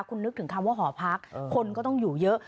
คุณนึกถึงคำว่าหอพักคนก็ต้องอยู่เยอะ